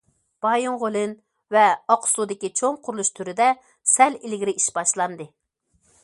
بايىنغولىن ۋە ئاقسۇدىكى چوڭ قۇرۇلۇش تۈرىدە سەل ئىلگىرى ئىش باشلاندى.